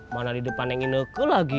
mana di depan yang inoku lagi